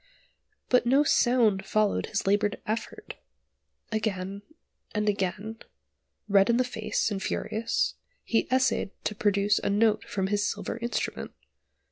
But no sound followed his laboured effort! Again, and again, red in the face, and furious, he essayed to produce a note from his silver instrument.